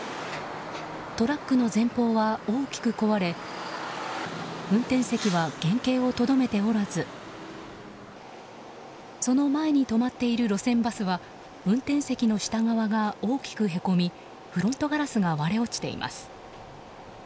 トラックの前方は大きく壊れ運転席は原形をとどめておらずその前に止まっている路線バスは運転席の下側が大きくへこみ、フロントガラスが割れ落ちています。